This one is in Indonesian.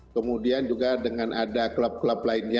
kemudian juga dengan ada klub klub lainnya